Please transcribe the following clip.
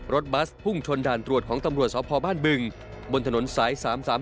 บัสพุ่งชนด่านตรวจของตำรวจสพบ้านบึงบนถนนสาย๓๓